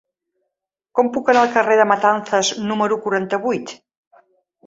Com puc anar al carrer de Matanzas número quaranta-vuit?